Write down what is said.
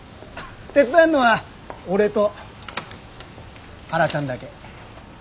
手伝えるのは俺と原ちゃんだけ。